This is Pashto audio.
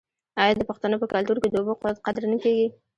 آیا د پښتنو په کلتور کې د اوبو قدر نه کیږي؟